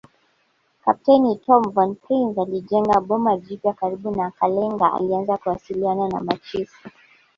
Kapteni Tom von Prince alijenga boma jipya karibu na Kalenga alianza kuwasiliana na machifu